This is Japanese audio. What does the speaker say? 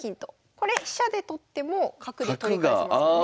これ飛車で取っても角で取り返せますよね。